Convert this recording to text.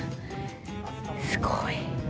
すごい。